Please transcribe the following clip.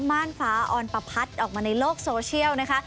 ่านฟ้าออนประพัดออกมาในโลกโซเชียลนะคะ